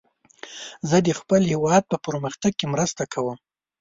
زه د خپل هیواد په پرمختګ کې مرسته کوم.